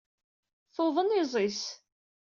Tuḍen iẓi-s.